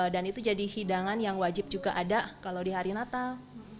dan itu jadi hidangan yang wajib juga ada kalau di hari natal